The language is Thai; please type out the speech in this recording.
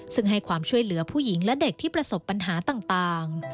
ซึ่งให้ความช่วยเหลือผู้หญิงและเด็กที่ประสบปัญหาต่าง